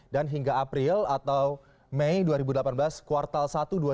dan hingga april atau mei dua ribu delapan belas kuartal satu dua